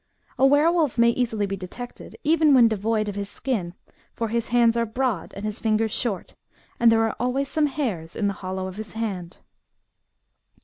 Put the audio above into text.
A were wolf may easily be detected, even when devoid of his skin ; for his hands are broad, and his fingers short, and there are always some hairs in the hollow of his hand.